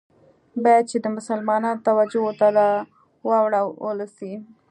باید چي د مسلمانانو توجه ورته راوړوله سي.